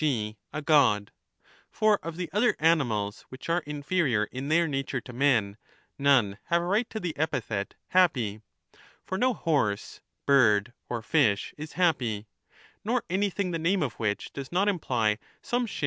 g. a god ; for of the other animals, which 25 are inferior in their nature to men, none have a right to the epithet ' happy '; for no horse, bird, or fish is happy, nor anything the name of which does not imply some share of a 21 sq.